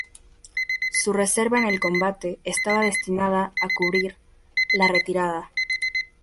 Su reserva en el combate estaba destinada a cubrir la retirada.